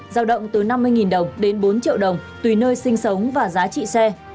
giao động từ năm mươi đồng đến bốn triệu đồng tùy nơi sinh sống và giá trị xe